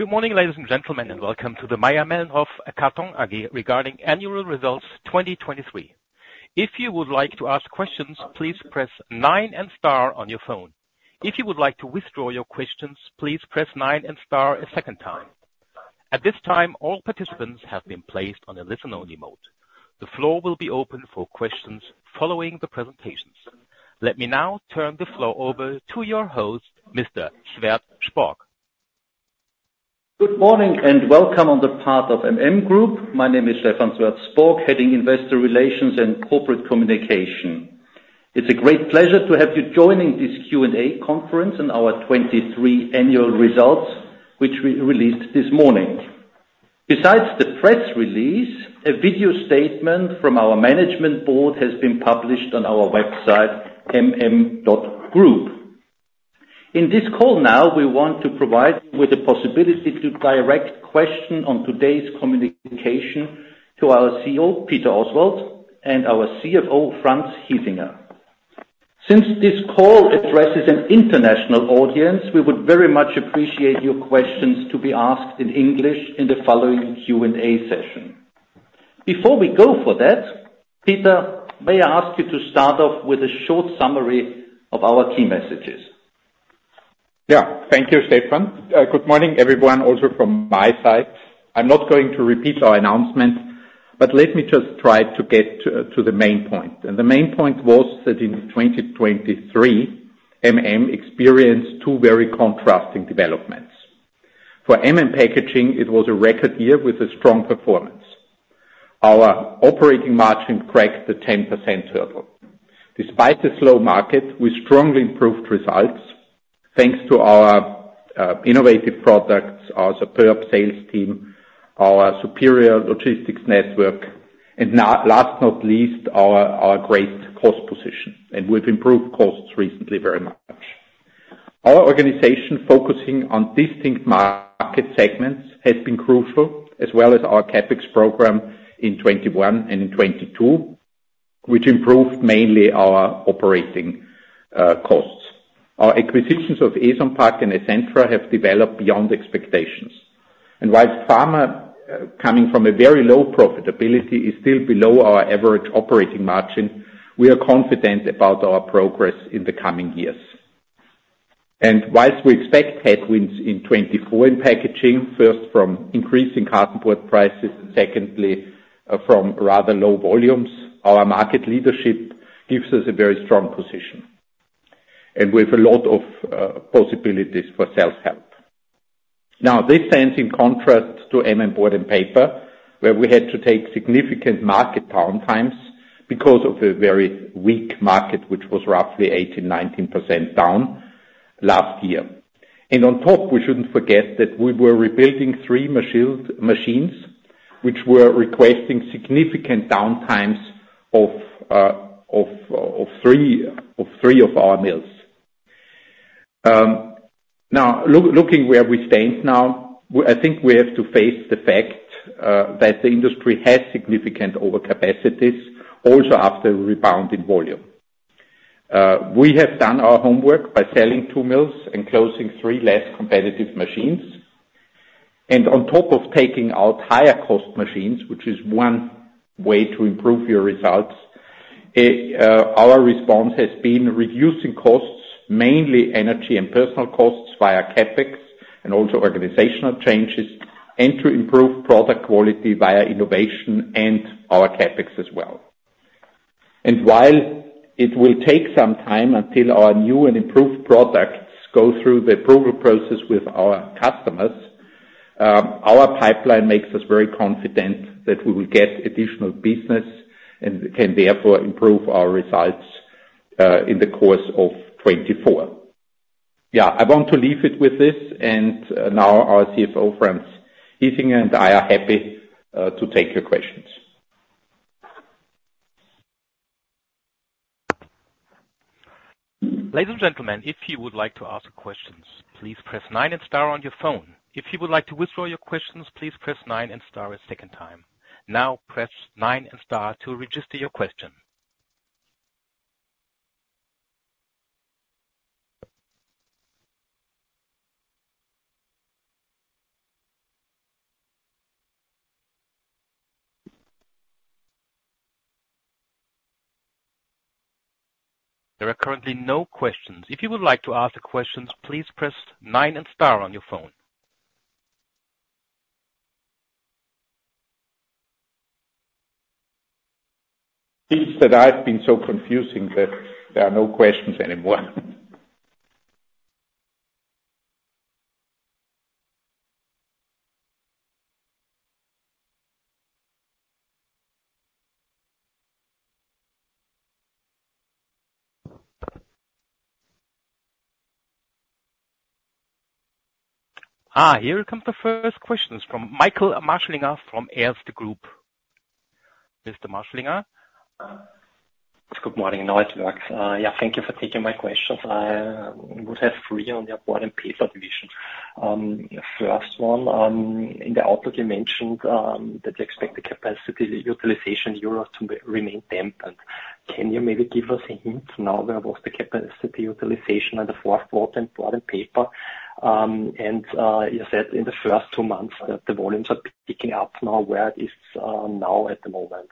Good morning, ladies and gentlemen, and welcome to the Mayr-Melnhof Karton AG regarding annual results 2023. If you would like to ask questions, please press 9 and star on your phone. If you would like to withdraw your questions, please press 9 and star a second time. At this time, all participants have been placed on a listen-only mode. The floor will be open for questions following the presentations. Let me now turn the floor over to your host, Mr. Sweerts-Sporck. Good morning and welcome on behalf of the Group. My name is Stephan Sweerts-Sporck, heading investor relations and corporate communication. It's a great pleasure to have you joining this Q&A conference on our 2023 annual results, which we released this morning. Besides the press release, a video statement from our management board has been published on our website, mm.group. In this call now, we want to provide you with the possibility to direct questions on today's communication to our CEO, Peter Oswald, and our CFO, Franz Hiesinger. Since this call addresses an international audience, we would very much appreciate your questions to be asked in English in the following Q&A session. Before we go for that, Peter, may I ask you to start off with a short summary of our key messages? Yeah. Thank you, Stephan. Good morning, everyone, also from my side. I'm not going to repeat our announcement, but let me just try to get to the main point. The main point was that in 2023, experienced two very contrasting developments. For Packaging, it was a record year with a strong performance. Our operating margin cracked the 10% hurdle. Despite the slow market, we strongly improved results thanks to our innovative products, our superb sales team, our superior logistics network, and last but not least, our great cost position. We've improved costs recently very much. Our organization focusing on distinct market segments has been crucial, as well as our CapEx program in 2021 and in 2022, which improved mainly our operating costs. Our acquisitions of Eson Pac and Essentra have developed beyond expectations. And while pharma, coming from a very low profitability, is still below our average operating margin, we are confident about our progress in the coming years. And while we expect headwinds in 2024 in Packaging, first from increasing cardboard prices, secondly from rather low volumes, our market leadership gives us a very strong position. And we have a lot of possibilities for self-help. Now, this stands in contrast to Board & Paper, where we had to take significant market downtimes because of a very weak market, which was roughly 18%-19% down last year. And on top, we shouldn't forget that we were rebuilding three machines, which were requesting significant downtimes of three of our mills. Now, looking where we stand now, I think we have to face the fact that the industry has significant overcapacities, also after a rebound in volume. We have done our homework by selling 2 mills and closing 3 less competitive machines. On top of taking out higher-cost machines, which is one way to improve your results, our response has been reducing costs, mainly energy and personnel costs via CapEx and also organizational changes, and to improve product quality via innovation and our CapEx as well. While it will take some time until our new and improved products go through the approval process with our customers, our pipeline makes us very confident that we will get additional business and can therefore improve our results in the course of 2024. Yeah. I want to leave it with this. Now, our CFO, Franz Hiesinger, and I are happy to take your questions. Ladies and gentlemen, if you would like to ask questions, please press 9 and star on your phone. If you would like to withdraw your questions, please press 9 and star a second time. Now, press 9 and star to register your question. There are currently no questions. If you would like to ask questions, please press 9 and star on your phone. Seems that I've been so confusing that there are no questions anymore. Here come the first questions from Michael Marschallinger from Erste Group. Mr. Marschallinger? Good morning and welcome. Yeah. Thank you for taking my questions. I would have three on the Board & Paper division. First one, in the outlook, you mentioned that you expect the capacity utilization in Europe to remain dampened. Can you maybe give us a hint now where was the capacity utilization in the fourth quarter for Board & Paper? And you said in the first two months that the volumes are picking up now. Where it is now at the moment.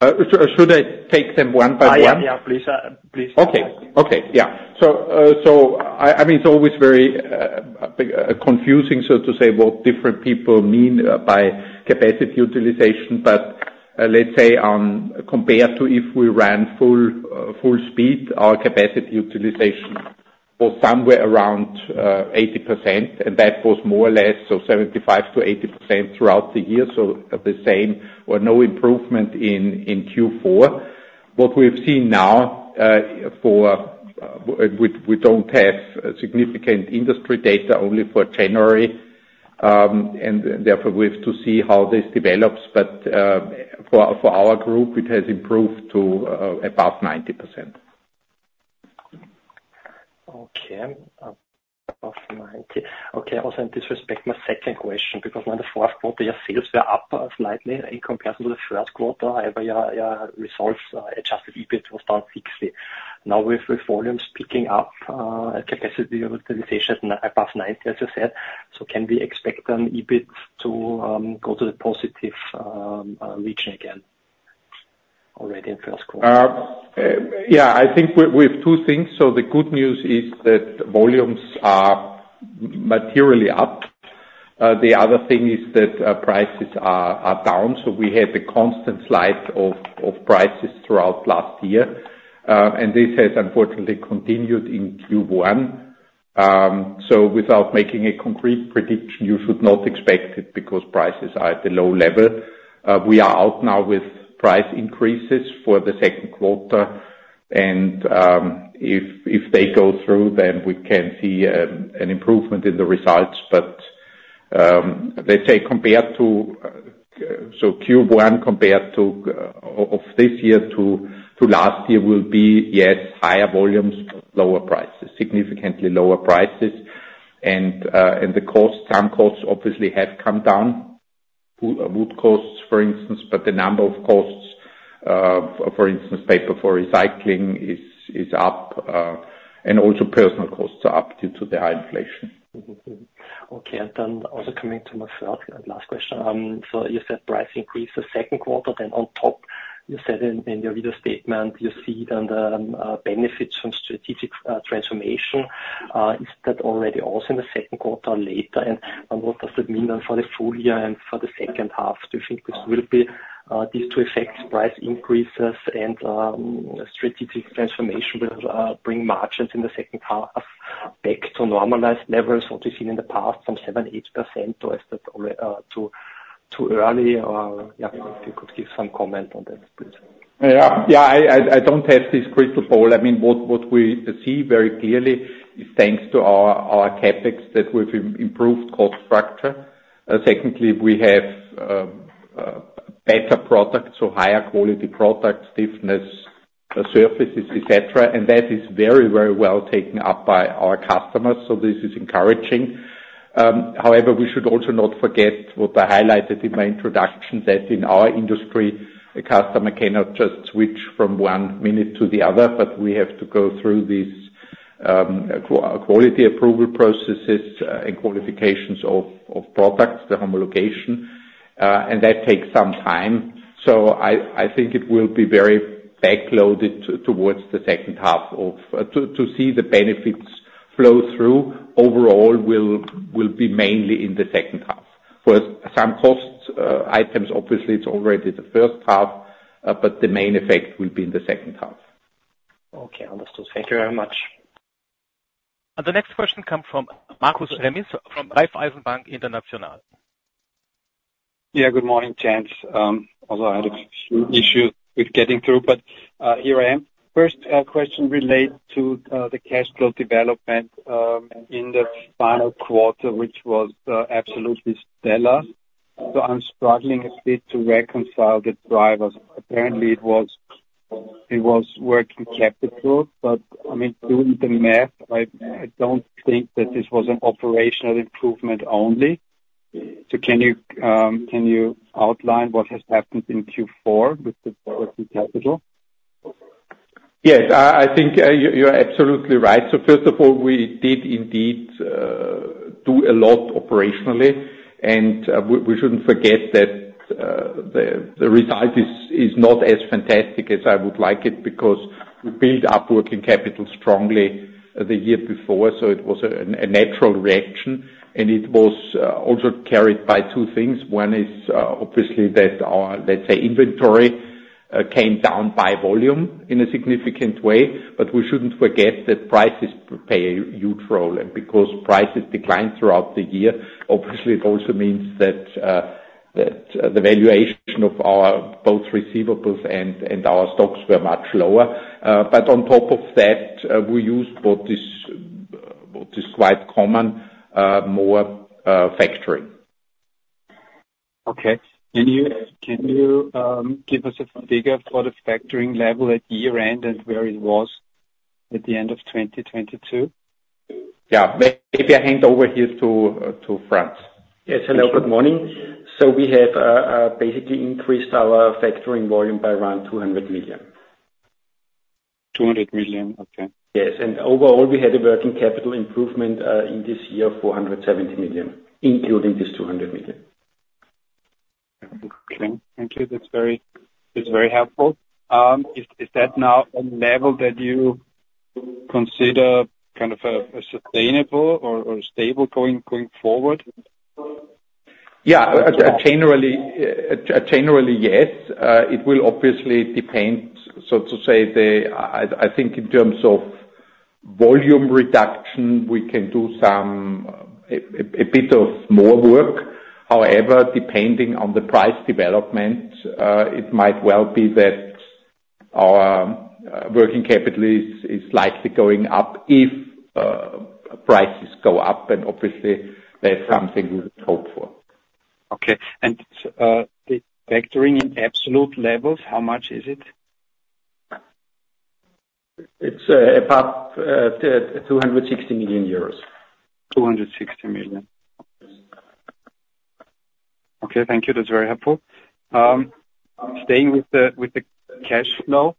Should I take them one by one? Yeah. Yeah. Please. Please. Okay. Okay. Yeah. So I mean, it's always very confusing, so to say, what different people mean by capacity utilization. But let's say compared to if we ran full speed, our capacity utilization was somewhere around 80%. And that was more or less so 75%-80% throughout the year, so the same or no improvement in Q4. What we've seen now for we don't have significant industry data, only for January. And therefore, we have to see how this develops. But for our group, it has improved to above 90%. Okay. Above 90%. Okay. Also in this respect, my second question because when the fourth quarter your sales were up slightly in comparison to the first quarter, however, your results adjusted EBIT was down 60%. Now, with volumes picking up, capacity utilization above 90%, as you said, so can we expect an EBIT to go to the positive region again already in first quarter? Yeah. I think we have two things. So the good news is that volumes are materially up. The other thing is that prices are down. So we had a constant slide of prices throughout last year. And this has, unfortunately, continued in Q1. So without making a concrete prediction, you should not expect it because prices are at a low level. We are out now with price increases for the second quarter. And if they go through, then we can see an improvement in the results. But let's say, compared to Q1 of this year to last year, it will be, yes, higher volumes, lower prices, significantly lower prices. And some costs obviously have come down, wood costs, for instance. But other costs, for instance, paper for recycling, are up. And also, personnel costs are up due to the high inflation. Okay. Then also coming to my third and last question. So you said price increased the second quarter. Then on top, you said in your video statement, you see then the benefits from strategic transformation. Is that already also in the second quarter or later? And what does that mean then for the full year and for the second half? Do you think this will be these two effects, price increases and strategic transformation, will bring margins in the second half back to normalized levels what we've seen in the past from 7%-8%? Or is that too early? Yeah. If you could give some comment on that, please. Yeah. Yeah. I don't have this crystal ball. I mean, what we see very clearly is thanks to our CapEx that we've improved cost structure. Secondly, we have better products, so higher-quality products, stiffness, surfaces, etc. And that is very, very well taken up by our customers. So this is encouraging. However, we should also not forget what I highlighted in my introduction that in our industry, a customer cannot just switch from one minute to the other. But we have to go through these quality approval processes and qualifications of products, the homologation. And that takes some time. So I think it will be very backloaded towards the second half to see the benefits flow through. Overall, will be mainly in the second half. For some cost items, obviously, it's already the first half. But the main effect will be in the second half. Okay. Understood. Thank you very much. The next question comes from Markus Remis from Raiffeisen Bank International. Yeah. Good morning, Franz. Also, I had a few issues with getting through. But here I am. First question relates to the cash flow development in the final quarter, which was absolutely stellar. So I'm struggling a bit to reconcile the drivers. Apparently, it was working capital. But I mean, doing the math, I don't think that this was an operational improvement only. So can you outline what has happened in Q4 with the working capital? Yes. I think you're absolutely right. So first of all, we did indeed do a lot operationally. And we shouldn't forget that the result is not as fantastic as I would like it because we built up working capital strongly the year before. So it was a natural reaction. And it was also carried by two things. One is obviously that our, let's say, inventory came down by volume in a significant way. But we shouldn't forget that prices play a huge role. And because prices declined throughout the year, obviously, it also means that the valuation of our both receivables and our stocks were much lower. But on top of that, we used what is quite common, more factoring. Okay. Can you give us a figure for the factoring level at year-end and where it was at the end of 2022? Yeah. Maybe I hand over here to Franz. Yes. Hello. Good morning. So we have basically increased our factoring volume by around 200 million. 200 million. Okay. Yes. Overall, we had a working capital improvement in this year of 470 million, including this 200 million. Okay. Thank you. That's very helpful. Is that now a level that you consider kind of sustainable or stable going forward? Yeah. Generally, yes. It will obviously depend, so to say, I think in terms of volume reduction, we can do a bit of more work. However, depending on the price development, it might well be that our working capital is likely going up if prices go up. And obviously, that's something we would hope for. Okay. And the factoring in absolute levels, how much is it? It's above EUR 260 million. 260 million. Okay. Thank you. That's very helpful. Staying with the cash flow,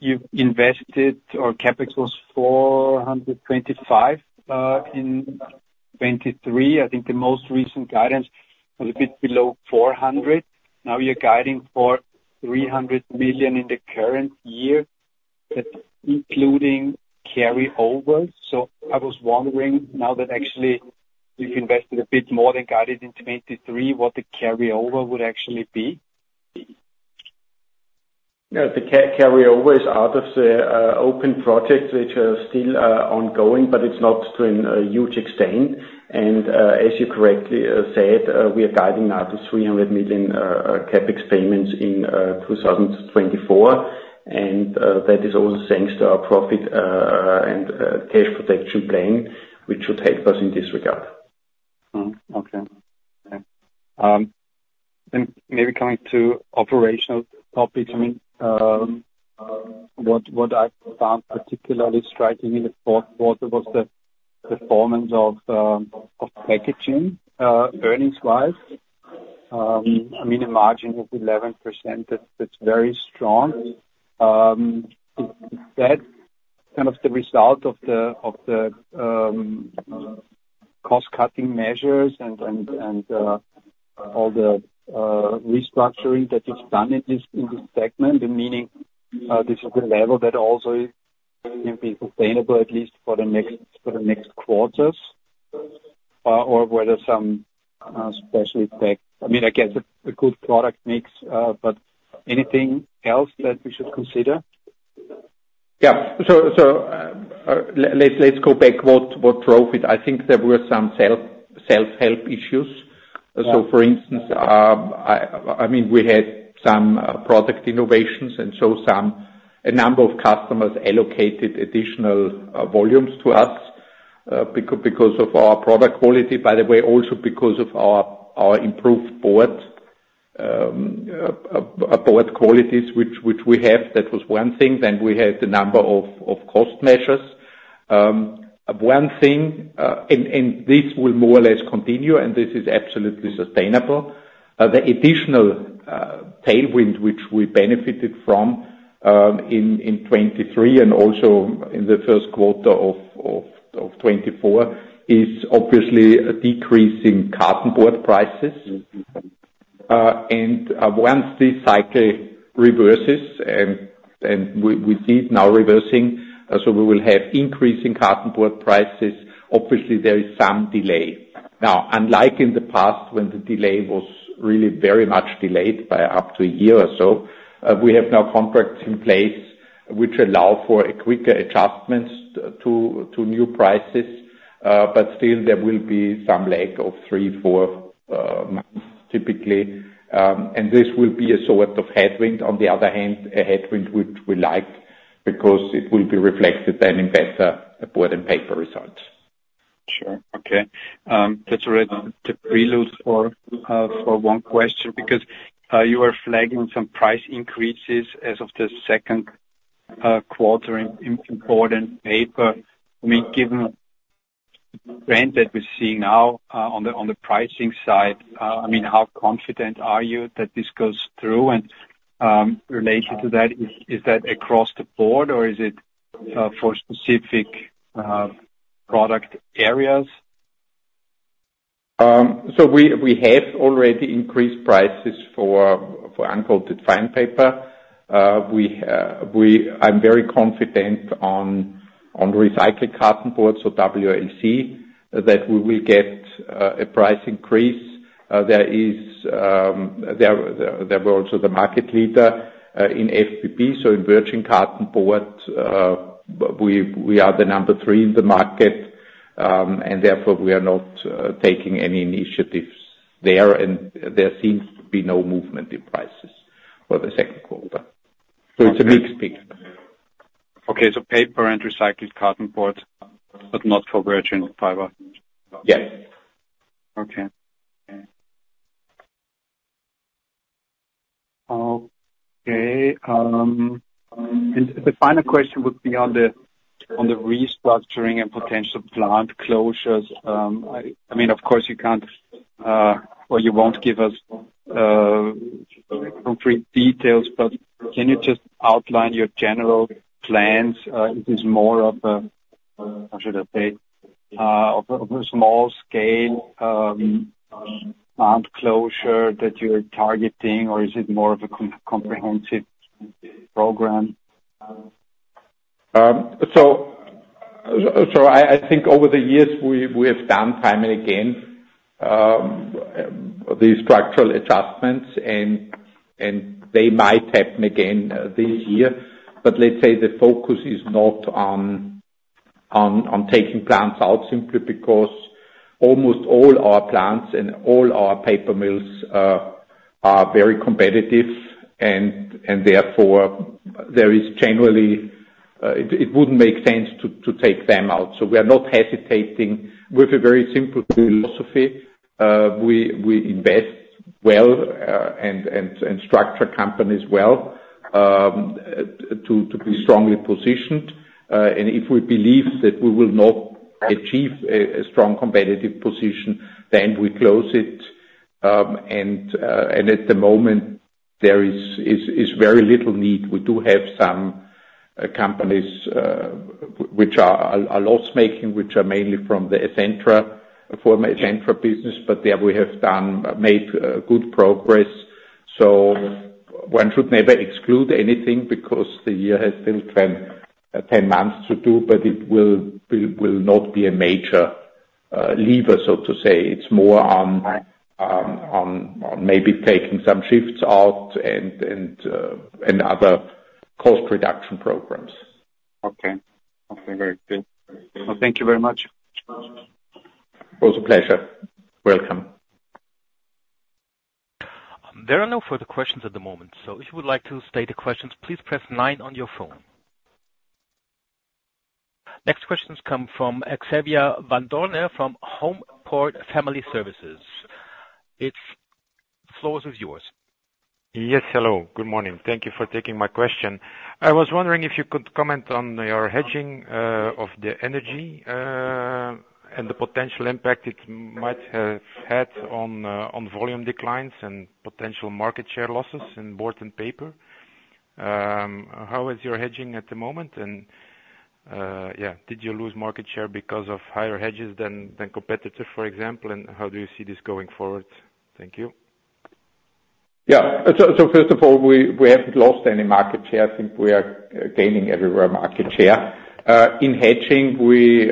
you've invested or CapEx was 425 million in 2023. I think the most recent guidance was a bit below 400 million. Now, you're guiding for 300 million in the current year, including carryovers. So I was wondering now that actually you've invested a bit more than guided in 2023, what the carryover would actually be. Yeah. The carryover is out of the open projects, which are still ongoing. It's not to a huge extent. As you correctly said, we are guiding now to 300 million CapEx payments in 2024. That is also thanks to our Profit & Cash Protection Plan, which should help us in this regard. Okay. Then maybe coming to operational topics, I mean, what I found particularly striking in the fourth quarter was the performance of Packaging earnings-wise. I mean, a margin of 11% that's very strong. Is that kind of the result of the cost-cutting measures and all the restructuring that is done in this segment, meaning this is the level that also can be sustainable at least for the next quarters or whether some special effect I mean, I guess a good product mix. But anything else that we should consider? Yeah. So let's go back. What drove it? I think there were some self-help issues. So for instance, I mean, we had some product innovations. And so a number of customers allocated additional volumes to us because of our product quality, by the way, also because of our improved board qualities, which we have. That was one thing. Then we had the number of cost measures. One thing, and this will more or less continue, and this is absolutely sustainable, the additional tailwind which we benefited from in 2023 and also in the first quarter of 2024 is obviously decreasing cartonboard prices. And once this cycle reverses and we see it now reversing, so we will have increasing cartonboard prices, obviously, there is some delay. Now, unlike in the past when the delay was really very much delayed by up to a year or so, we have now contracts in place which allow for quicker adjustments to new prices. But still, there will be some lag of three, four months typically. And this will be a sort of headwind. On the other hand, a headwind which we like because it will be reflected then in better Board & Paper results. Sure. Okay. That's already the prelude for one question because you are flagging some price increases as of the second quarter in Board & Paper. I mean, given the trend that we're seeing now on the pricing side, I mean, how confident are you that this goes through? And related to that, is that across the board, or is it for specific product areas? We have already increased prices for uncoated fine paper. I'm very confident on recycled cartonboard, so WLC, that we will get a price increase. We are also the market leader in FPP. In virgin cartonboard, we are the number 3 in the market. Therefore, we are not taking any initiatives there. There seems to be no movement in prices for the second quarter. It's a mixed picture. Okay. So paper and recycled carton board but not for virgin fiber? Yes. Okay. Okay. And the final question would be on the restructuring and potential plant closures. I mean, of course, you can't or you won't give us concrete details. But can you just outline your general plans? Is this more of a how should I say? Of a small-scale plant closure that you're targeting, or is it more of a comprehensive program? So, I think over the years, we have done time and again these structural adjustments. And they might happen again this year. But let's say the focus is not on taking plants out simply because almost all our plants and all our paper mills are very competitive. And therefore, there is generally it wouldn't make sense to take them out. So we are not hesitating. We have a very simple philosophy. We invest well and structure companies well to be strongly positioned. And if we believe that we will not achieve a strong competitive position, then we close it. And at the moment, there is very little need. We do have some companies which are loss-making, which are mainly from the Essentra former Essentra business. But there, we have made good progress. So one should never exclude anything because the year has still 10 months to do. But it will not be a major lever, so to say. It's more on maybe taking some shifts out and other cost reduction programs. Okay. Okay. Very good. Well, thank you very much. Was a pleasure. Welcome. There are no further questions at the moment. If you would like to state your questions, please press 9 on your phone. Next questions come from Xavier Vandoorne from Homeport Family Services. Floor is yours. Yes. Hello. Good morning. Thank you for taking my question. I was wondering if you could comment on your hedging of the energy and the potential impact it might have had on volume declines and potential market share losses in Board & Paper. How is your hedging at the moment? And yeah, did you lose market share because of higher hedges than competitors, for example? And how do you see this going forward? Thank you. Yeah. So first of all, we haven't lost any market share. I think we are gaining everywhere market share. In hedging, we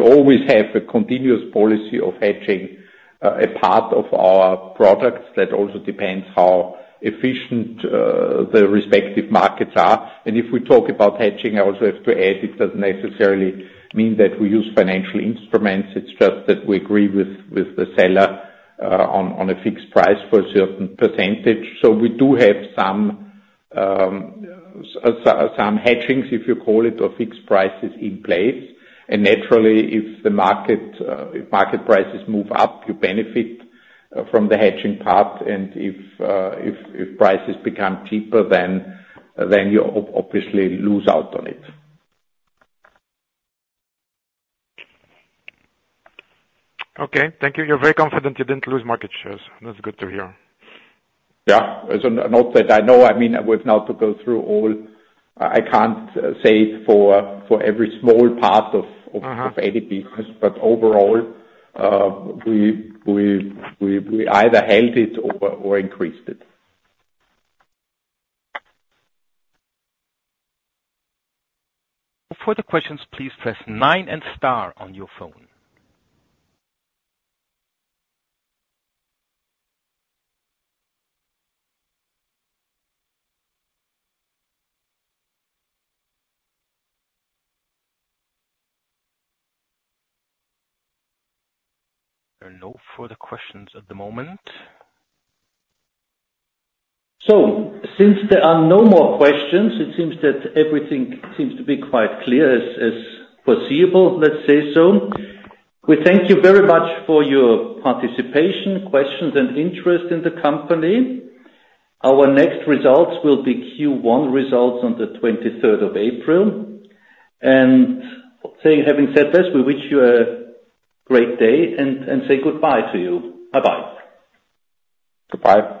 always have a continuous policy of hedging a part of our products. That also depends how efficient the respective markets are. And if we talk about hedging, I also have to add it doesn't necessarily mean that we use financial instruments. It's just that we agree with the seller on a fixed price for a certain percentage. So we do have some hedgings, if you call it, or fixed prices in place. And naturally, if market prices move up, you benefit from the hedging part. And if prices become cheaper, then you obviously lose out on it. Okay. Thank you. You're very confident you didn't lose market shares. That's good to hear. Yeah. So not that I know. I mean, I would not have to go through all I can't say for every small part of any business. But overall, we either held it or increased it. For the questions, please press 9 and star on your phone. There are no further questions at the moment. Since there are no more questions, it seems that everything seems to be quite clear as foreseeable, let's say so. We thank you very much for your participation, questions, and interest in the company. Our next results will be Q1 results on the 23rd of April. Having said this, we wish you a great day and say goodbye to you. Bye-bye. Goodbye.